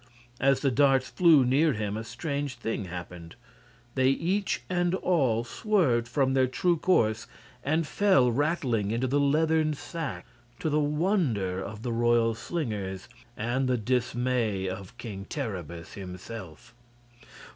As the darts flew near him a strange thing happened: they each and all swerved from their true course and fell rattling into the leathern sack, to the wonder of the royal slingers and the dismay of King Terribus himself.